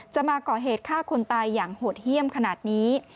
มาก่อเหตุฆ่าคนตายอย่างโหดเยี่ยมขนาดนี้